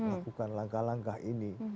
melakukan langkah langkah ini